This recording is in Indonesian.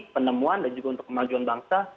penemuan dan juga untuk kemajuan bangsa